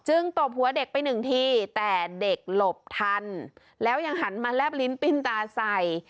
ตบหัวเด็กไปหนึ่งทีแต่เด็กหลบทันแล้วยังหันมาแลบลิ้นปิ้นตาใส่